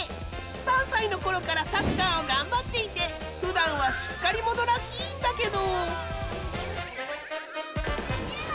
３歳の頃からサッカーを頑張っていてふだんはしっかり者らしいんだけど。